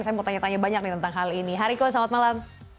saya mau tanya tanya banyak nih tentang hal ini hariko selamat malam